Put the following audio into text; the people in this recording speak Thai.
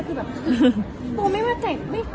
คือแบบปูไม่ว่าแต่งไม่